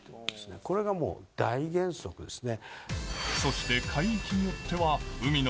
これがもう大原則ですね。